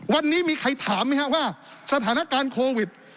วันนี้มีใครถามไหมครับว่าสถานการณ์โควิด